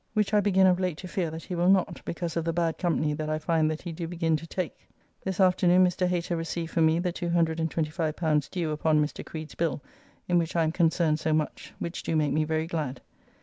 Which I begin of late to fear that he will not because of the bad company that I find that he do begin to take. This afternoon Mr. Hater received for me the L225 due upon Mr. Creed's bill in which I am concerned so much, which do make me very glad.